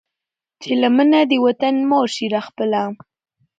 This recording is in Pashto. چې لمنه د وطن مور شي را خپله